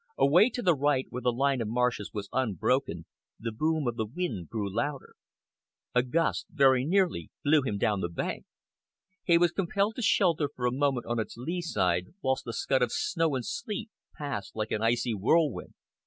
Away to the right, where the line of marshes was unbroken, the boom of the wind grew louder. A gust very nearly blew him down the bank. He was compelled to shelter for a moment on its lee side, whilst a scud of snow and sleet passed like an icy whirlwind.